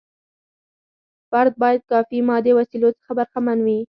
فرد باید کافي مادي وسیلو څخه برخمن وي.